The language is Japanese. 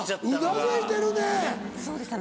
うなずいてるね。